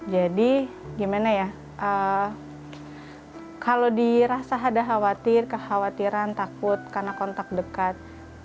jadi gimana ya kalau dirasa ada khawatir kekhawatiran takut karena kontak dekat